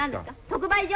特売所！？